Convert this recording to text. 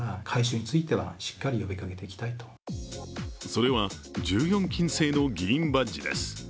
それは１４金製の議員バッジです。